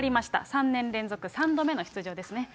３年連続３度目の出場ですね。